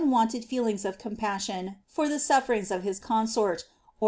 87 mwonted feelings of compassion for the sufferings of his consort, or